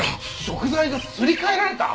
食材がすり替えられた！？